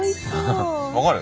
分かる？